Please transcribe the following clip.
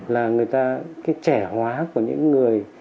là người ta cái trẻ hóa của những người